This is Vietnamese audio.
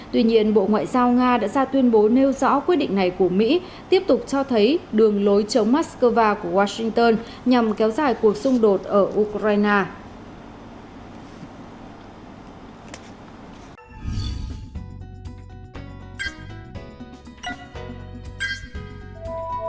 tuy nhiên bộ ngoại giao nga đã ra tuyên bố nêu rõ quyết định này của mỹ tiếp tục cho thấy đường lối chống moscow của washington nhằm kéo dài cuộc xung đột ở ukraine